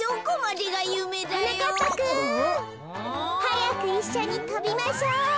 はやくいっしょにとびましょう。